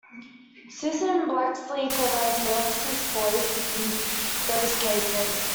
Susan Blakeslee provides Maleficent's voice in those cases.